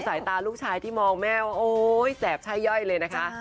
สายตาลูกชายที่มองแม่ว่าโอ๊ยแสบช่าย่อยเลยนะคะ